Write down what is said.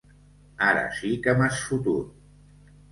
Ara sí que m'has fotut!